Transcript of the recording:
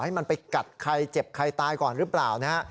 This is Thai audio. ให้มันไปกัดใครเจ็บใครตายก่อนหรือเปล่านะฮะ